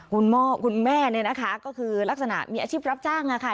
คุณแม่เนี่ยนะคะก็คือลักษณะมีอาชีพรับจ้างค่ะ